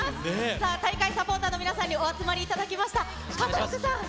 さあ、大会サポーターの皆さんにお集まりいただきました。